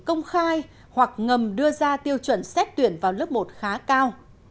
công khai hoặc ngầm đưa ra tiêu chuẩn xét tuyển vào lớp một khá cao